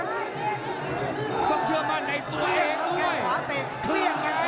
ต้องเชื่อมั่นในตัวเองด้วย